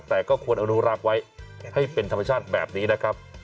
แต่ก็ควรอนุรักษ์ไว้ให้เป็นธรรมชาติแบบนี้นะครับ